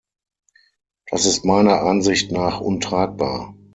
Das ist meiner Ansicht nach untragbar.